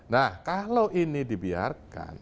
nah kalau ini dibiarkan